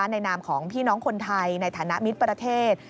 นามของพี่น้องคนไทยในฐานะมิตรประเทศ